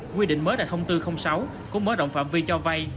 nguyên định mới là thông tư sáu của mở động phạm vi cho vay